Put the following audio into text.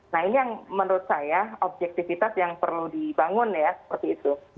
nah ini yang menurut saya objektivitas yang perlu dibangun ya seperti itu